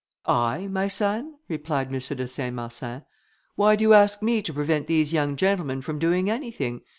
"I! my son," replied M. de Saint Marsin, "why do you ask me to prevent these young gentlemen from doing anything?